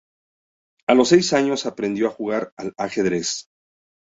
A los seis años aprendió a jugar al ajedrez.